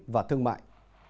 và thương mại